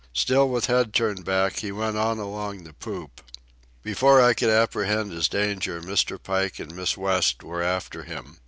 Still with head turned back, he went on along the poop. Before I could apprehend his danger, Mr. Pike and Miss West were after him.